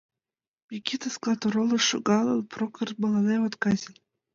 Микита склад оролыш шогалын, Прокыр мыланем отказен...